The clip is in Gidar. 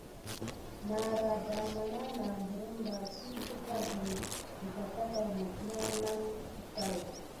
Nara dama nana perine ba si kusakane siga takà mis ne nane sickai.